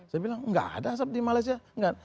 saya bilang tidak ada asap di malaysia